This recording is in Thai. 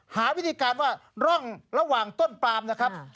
หาวิธีการว่าร่องระหว่างต้นปลามนะครับ